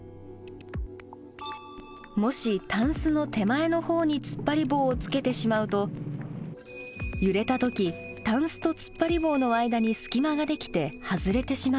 もしタンスの手前のほうにつっぱり棒をつけてしまうと揺れた時タンスとつっぱり棒の間に隙間ができて外れてしまうのです。